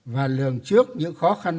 và lường trước những khó khăn